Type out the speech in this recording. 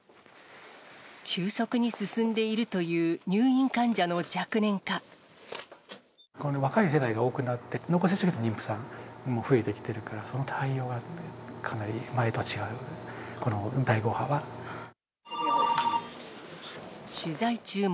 急速に進んでいるという入院若い世代が多くなって、濃厚接触者の妊婦さんも増えてきているから、その対応がかなり、取材中も。